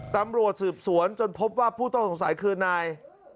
ตำรวจสืบสวนจนพบว่าผู้ต้องสงสัยคือนาย